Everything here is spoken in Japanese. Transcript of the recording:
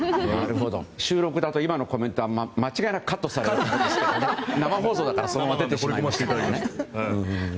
収録だと今のコメントは間違いなくカットされますけど生放送だからそのまま出てしまいましたね。